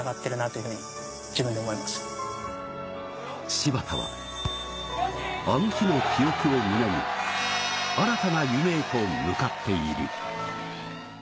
柴田は、あの日の記憶を胸に新たな夢へと向かっている。